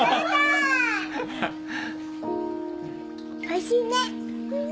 おいしいね！